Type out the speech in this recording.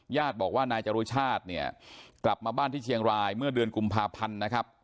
ญาติบอกว่านายจรุชาติเนี่ยกลับมาบ้านที่เชียงรายเมื่อเดือนกุมภาพันธ์นะครับ